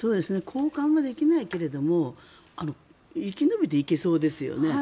交換はできないけれど生き延びていけそうですよね。